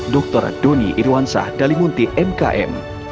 dr doni irwansah dalimunti mkm